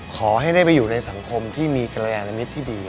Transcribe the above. ขอให้ได้ไปอยู่ในสังคมที่มีกรยานมิตรที่ดี